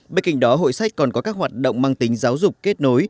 bên cạnh đó hội sách còn có các hoạt động mang tính giáo dục kết nối